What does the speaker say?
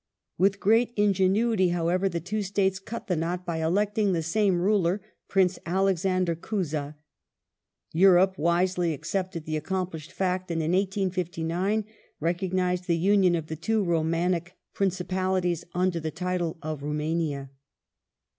With great ingenuity, however, the two States cut the knot by electing the same ruler, Prince Alexander Couza. Europe wisely accepted the accomplished fact, and in 1859 recognized the union of the two Romanic Principalities under the title of Roumania.